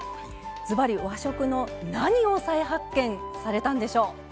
ズバリ和食の何を再発見されたんでしょう？